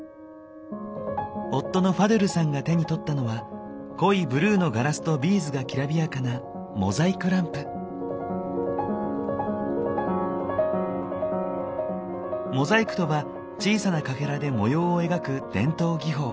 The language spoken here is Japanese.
夫のファドゥルさんが手に取ったのは濃いブルーのガラスとビーズがきらびやかなモザイクとは小さなかけらで模様を描く伝統技法。